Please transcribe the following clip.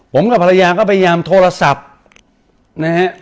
ผมกับภรรยาก็พยายามโทรศัพท์นะฮะ